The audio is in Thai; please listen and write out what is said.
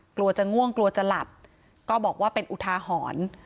กลัวจะง่วงกลัวจะหลับก็บอกว่าเป็นอุทาหรณ์